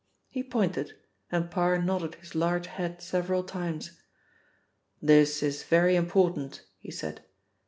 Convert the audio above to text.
He pointed, and Parr nodded his large head several times. "This is very important," he said.